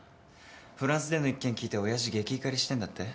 フランスでの一件聞いて親父激怒りしてんだって？